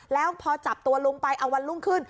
แล้วพอจับตัวลุงไปเอาวันรุ่งขึ้น